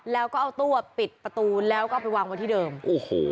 แล้วก็เอาตู้ปิดประตูแล้วก็ไปวางไว้ที่เดิมโอ้โห